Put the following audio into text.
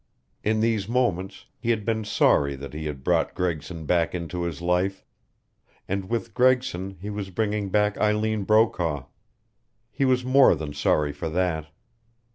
In these moments he had been sorry that he had brought Gregson back into his life. And with Gregson he was bringing back Eileen Brokaw. He was more than sorry for that.